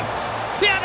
フェア！